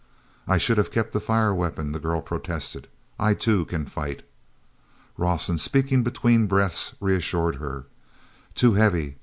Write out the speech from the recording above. "I should have kept the fire weapon," the girl protested; "I, too, can fight." Rawson, speaking between breaths, reassured her: "Too heavy.